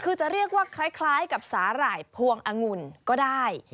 คือจะเรียกว่าคล้ายกับสาหร่ายพวงองุ่นก็ได้